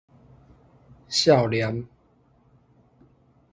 數念